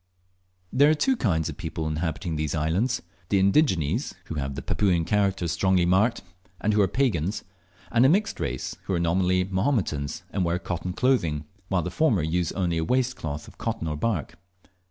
There are two kinds of people inhabiting these islands the indigenes, who have the Papuan characters strongly marked, and who are pagans; and a mixed race, who are nominally Mahometans, and wear cotton clothing, while the former use only a waist cloth of cotton or bark.